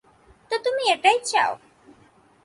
তো তুমি এটাই চাও।